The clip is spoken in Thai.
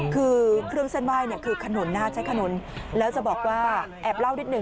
คือเครื่องเส้นไหว้เนี่ยคือขนุนใช้ขนุนแล้วจะบอกว่าแอบเล่านิดหนึ่ง